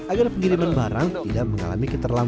agar pengiriman barang tidak mengalami ketakutan